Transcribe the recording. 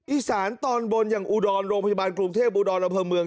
อิสานตอนบนยังอูดรโรงพยาบาลกรุงเทพอูดรนำภักดิ์เมือง